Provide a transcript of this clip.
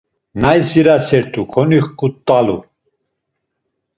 Nay dziraset̆u, konixut̆alu.